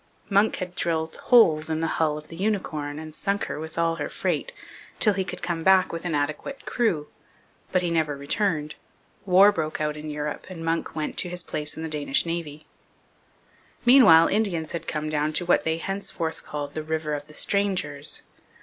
Munck had drilled holes in the hull of the Unicorn and sunk her with all her freight till he could come back with an adequate crew; but he never returned. War broke out in Europe, and Munck went to his place in the Danish Navy. Meanwhile Indians had come down to what they henceforth called the River of the Strangers.